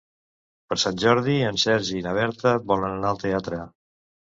Per Sant Jordi en Sergi i na Berta volen anar al teatre.